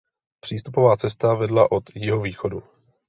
Přístupová cesta vedla od jihovýchodu.